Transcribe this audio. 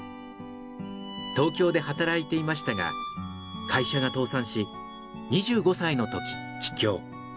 東京で働いていましたが会社が倒産し２５歳の時帰郷。